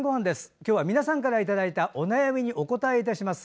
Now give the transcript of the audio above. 今日は皆さんからいただいたお悩みにお答えいたします。